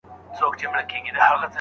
دا یې ګز دا یې میدان.